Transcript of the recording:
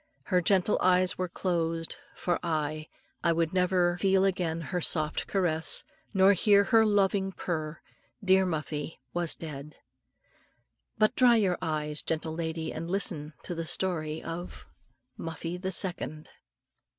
Her gentle eyes were closed for aye! I would never feel again her soft caress, nor hear her low loving purr dear Muffie was dead. But dry your eyes, gentle lady, and listen to the story of MUFFIE THE SECOND.